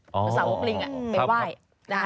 สาวลูกลิงไปไหว้